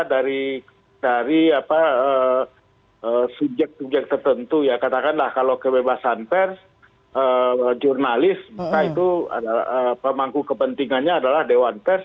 dari subjek subjek tertentu ya katakanlah kalau kebebasan pers jurnalis maka itu pemangku kepentingannya adalah dewan pers